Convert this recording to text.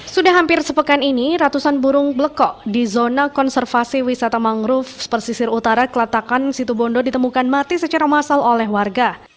sudah hampir sepekan ini ratusan burung blekok di zona konservasi wisata mangrove persisir utara kelatakan situbondo ditemukan mati secara massal oleh warga